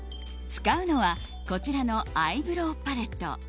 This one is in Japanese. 使うのはこちらのアイブローパレット。